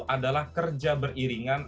adalah kerja beriringan